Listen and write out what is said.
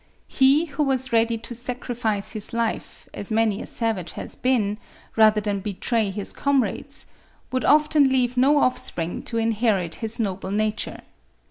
He who was ready to sacrifice his life, as many a savage has been, rather than betray his comrades, would often leave no offspring to inherit his noble nature.